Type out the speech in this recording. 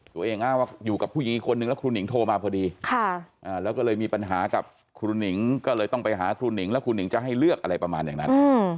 อ้างว่าอยู่กับผู้หญิงอีกคนนึงแล้วครูหนิงโทรมาพอดีแล้วก็เลยมีปัญหากับครูหนิงก็เลยต้องไปหาครูหนิงแล้วครูหนิงจะให้เลือกอะไรประมาณอย่างนั้น